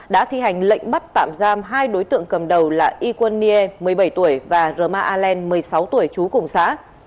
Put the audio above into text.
đã thi hành lệnh bắt tạm giam hai đối tượng cầm đầu là iquan nie một mươi bảy tuổi và roma alen một mươi sáu tuổi chú cùng xã